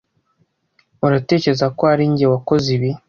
Uratekereza ko ari njye wakoze ibi?